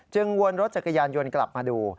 วนรถจักรยานยนต์กลับมาดู